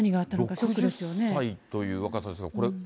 ６０歳という若さですが、これ、